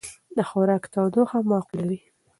د خوراک تودوخه معقوله وي.